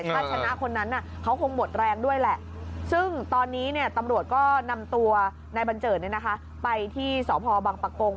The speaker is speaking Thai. ชาติชนะคนนั้นนะเขาคงหมดแรงด้วยละซึ่งตอนนี้เนี่ยตำรวจก็นำตัวในบัญเจิดให้นะคะไปที่สตบังปากกง